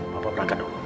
papa perangkan dulu